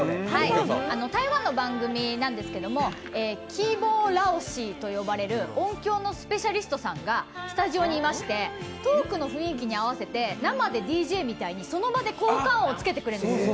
台湾の番組なんですけどもｋｅｙｂｏａｒｄ老師といわれる音響のスペシャリストさんがスタジオにいましてトークの雰囲気に合わせて生でＤＪみたいにその場で効果音をつけてくれる。